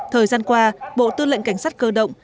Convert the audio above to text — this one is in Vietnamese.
thời gian qua bộ tư lệnh cảnh sát cơ động